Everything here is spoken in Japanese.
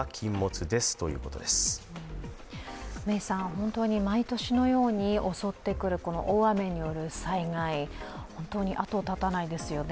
本当に毎年のように襲ってくる大雨による災害、本当に後を絶たないですよね。